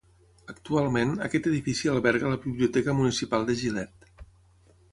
Actualment, aquest edifici alberga la Biblioteca municipal de Gilet.